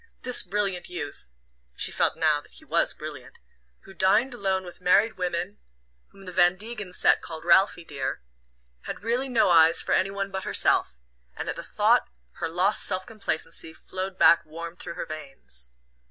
This brilliant youth she felt now that he WAS brilliant who dined alone with married women, whom the "Van Degen set" called "Ralphie, dear," had really no eyes for any one but herself; and at the thought her lost self complacency flowed back warm through her veins.